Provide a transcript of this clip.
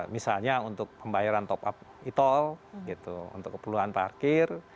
misalnya untuk pembayaran top up e tol untuk keperluan parkir